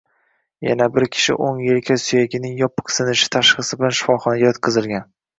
Yana bir kishi o‘ng yelka suyagining yopiq sinishi tashxisi bilan shifoxonaga yotqizilgan